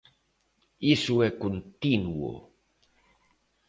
Iso é continuo.